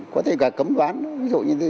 có thể cả cấm đoán ví dụ như